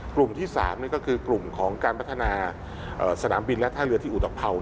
กลุ่มที่๓ก็คือกลุ่มของการพัฒนาสนามบินและท่าเรือที่อุตภัวร์